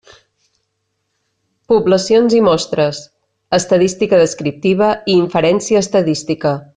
Poblacions i mostres: estadística descriptiva i inferència estadística.